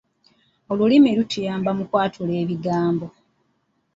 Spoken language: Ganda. Olulimi lutuyamba mu kwatula ebigambo.